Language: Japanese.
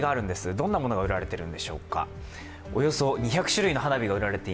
どんなものが売られているんでしょうか。